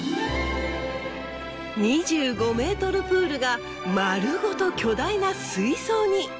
２５ｍプールが丸ごと巨大な水槽に。